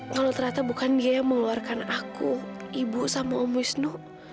kalau ternyata bukan dia yang mengeluarkan aku ibu sama muisnu